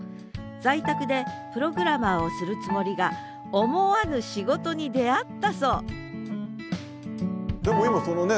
在宅でプログラマーをするつもりが思わぬ仕事に出会ったそうでも今そのね